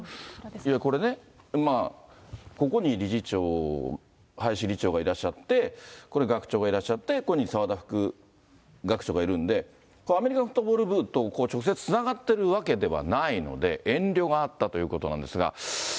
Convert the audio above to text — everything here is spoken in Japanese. これね、ここに理事長、林理事長がいらっしゃって、これ、学長がいらっしゃって、ここに澤田副学長がいるんで、アメリカンフットボール部と直接つながっているわけではないので、遠慮があったということなんですが。